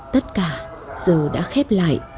tất cả giờ đã khép lại